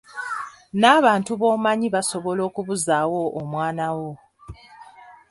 N'abantu b'omanyi basobola okubuzaawo omwana wo